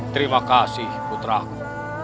terima kasih putraku